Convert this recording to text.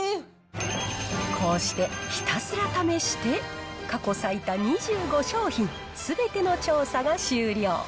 こうして、ひたすら試して、過去最多２５商品すべての調査が終了。